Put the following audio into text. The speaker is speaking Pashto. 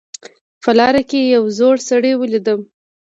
په لاره کې یو زوړ سړی ولیدم